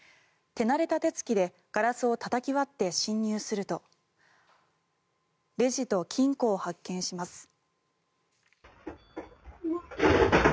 手慣れた手付きでガラスをたたき割って侵入するとレジと金庫を発見します。